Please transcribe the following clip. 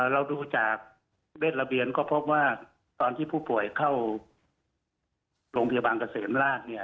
เราดูจากเวทระเบียนก็พบว่าตอนที่ผู้ป่วยเข้าโรงพยาบาลเกษมราชเนี่ย